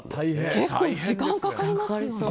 結構時間かかりますよね。